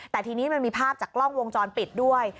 แต่ทีนี้มันมีภาพจากกล้องวงจรปิดด้วย